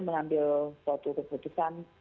menambil suatu keputusan